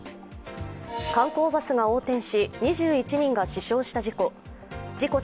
観光バスが横転し、２１人が死傷した事故。